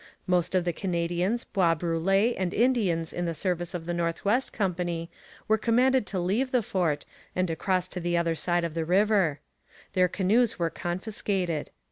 Most of the Canadians, Bois Brûlés, and Indians in the service of the North West Company were commanded to leave the fort and to cross to the other side of the river. Their canoes were confiscated.